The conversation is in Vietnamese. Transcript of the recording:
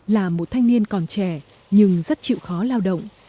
là một thanh niên còn trẻ nhưng rất chịu khó lao động